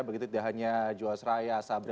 begitu tidak hanya jawa seraya sabri